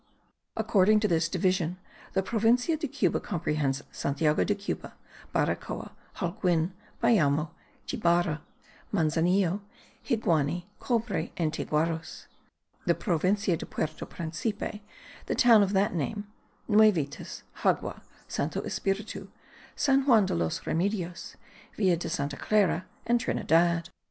According to this division, the Provincia de Cuba comprehends Santiago de Cuba, Baracoa, Holguin, Bayamo, Gibara, Manzanillo, Jiguani, Cobre, and Tiguaros; the Provincia de Puerto Principe, the town of that name, Nuevitas, Jagua, Santo Espiritu, San Juan de los Remedios, Villa de Santa Clara and Trinidad.